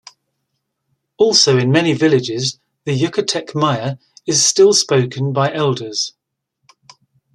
Also in many villages the Yucatec Maya is still spoken by elders.